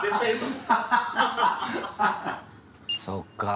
そっかぁ